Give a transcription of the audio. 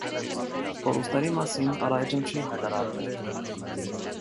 Կորուստների մասին առայժմ չի հայտարարվել։